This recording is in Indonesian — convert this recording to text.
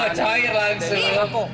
wah cair langsung